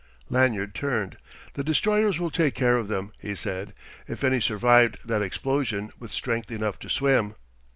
Lanyard turned. "The destroyers will take care of them," he said "if any survived that explosion with strength enough to swim."